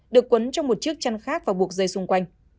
được quấn trong một chiếc chăn khác và buộc dây xung quanh